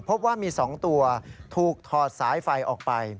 พบว่ามี๒ตัวถูกถอดสายไฟออกไป